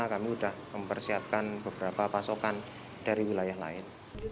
kami sudah mempersiapkan beberapa pasokan dari wilayah lain